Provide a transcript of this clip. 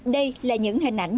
đây là những hình ảnh